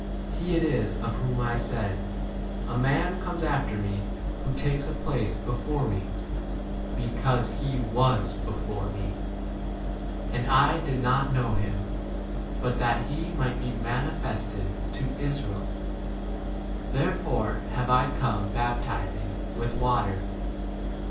He it is of whom I • said, A man comes after me who takes a place before me, 31 because he was before me ; and I * did not know him; but that he might be manifested to Israel, therefore have I * come baptizing 32 with water.